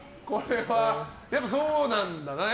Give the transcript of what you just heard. やっぱそうなんだね。